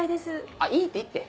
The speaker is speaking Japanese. あっいいっていいって。